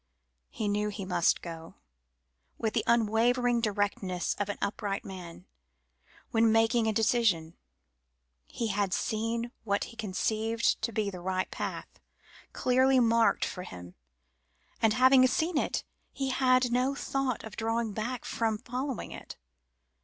He knew he must go. With the unwavering directness of an upright man, when making a decision, he had seen what he conceived to be the right path clearly marked for him; and, having seen it, he had no thought of drawing back from following it.